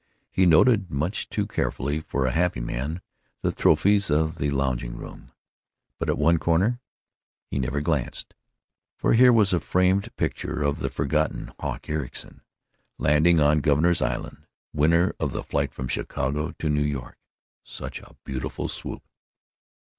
He noted, much too carefully for a happy man, the trophies of the lounging room. But at one corner he never glanced. For here was a framed picture of the forgotten Hawk Ericson, landing on Governor's Island, winner of the flight from Chicago to New York.... Such a beautiful swoop!...